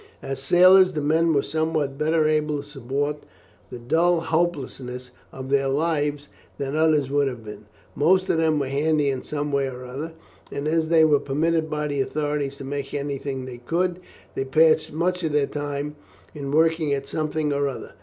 As sailors, the men were somewhat better able to support the dull hopelessness of their lives than others would have been. Most of them were handy in some way or other, and as they were permitted by the authorities to make anything they could, they passed much of their time in working at something or other.